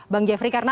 bang jeffrey karena